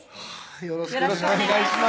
よろしくお願いします